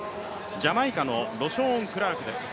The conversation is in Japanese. ジャマイカのロショーン・クラークです。